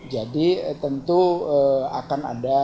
jadi tentu akan ada